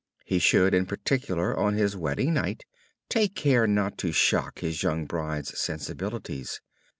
He should, in particular, on his wedding night, take care not to shock his young bride's sensibilities.